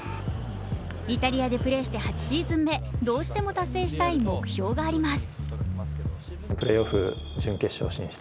イタリアでプレーして８シーズン目どうしても達成したい目標があります。